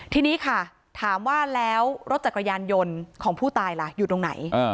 ทีนี้ค่ะถามว่าแล้วรถจักรยานยนต์ของผู้ตายล่ะอยู่ตรงไหน